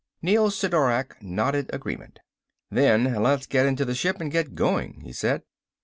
Neel Sidorak nodded agreement. "Then let's get into the ship and get going," he said.